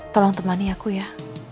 tolong temani aku ya